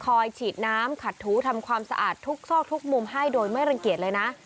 ฉีดน้ำขัดถูทำความสะอาดทุกซอกทุกมุมให้โดยไม่รังเกียจเลยนะ